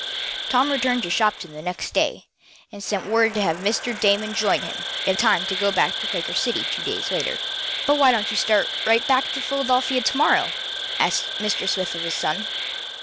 Tom returned to Shopton the next day, and sent word to have Mr. Damon join him in time to go back to the Quaker City two days later. "But why don't you start right back to Philadelphia to morrow," asked Mr. Swift of his son.